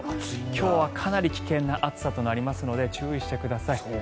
今日はかなり危険な暑さとなりますので注意してください。